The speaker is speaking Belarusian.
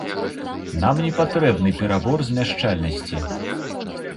Нам не патрэбны перабор змяшчальнасці.